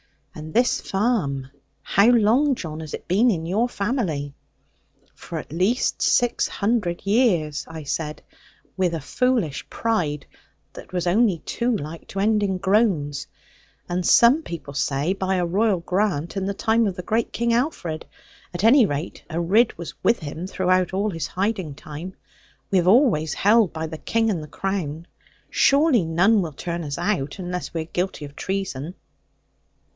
And this farm; how long, John, has it been in your family?' 'For at least six hundred years,' I said, with a foolish pride that was only too like to end in groans; 'and some people say, by a Royal grant, in the time of the great King Alfred. At any rate, a Ridd was with him throughout all his hiding time. We have always held by the King and crown: surely none will turn us out, unless we are guilty of treason?'